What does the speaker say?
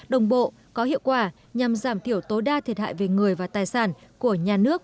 đồng bộ có hiệu quả nhằm giảm thiểu tối đa thiệt hại về người và tài sản của nhà nước